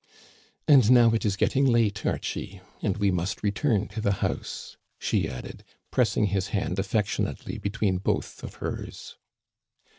And now it is getting late, Archie, and we must return to the house," she added, pressing his hand affectionately between both of hers.